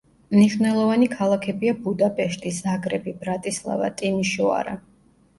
მნიშვნელოვანი ქალაქებია ბუდაპეშტი, ზაგრები, ბრატისლავა, ტიმიშოარა.